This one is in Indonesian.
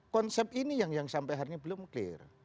konsep ini yang sampai hari ini belum clear